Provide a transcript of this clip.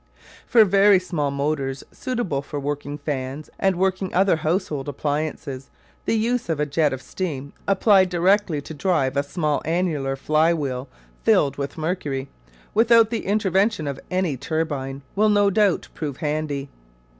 For very small motors suitable for working fans and working other household appliances, the use of a jet of steam, applied directly to drive a small annular fly wheel filled with mercury without the intervention of any turbine will no doubt prove handy.